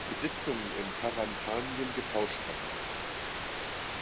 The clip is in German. Besitzungen in Karantanien getauscht hatte.